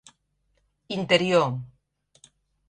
Interior: